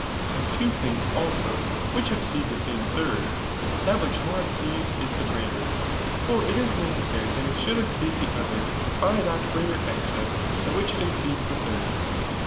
Of two things, also, which exceed the same third, that which more exceeds is the greater ; for it is necessary that it should exceed the other by that greater excess by which it exceeds the third.